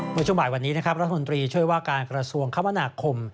โดยช่วงหมายวันนี้นะครับรัฐหลุ่นตรีช่วยว่าการกราชวงศ์คมนาคม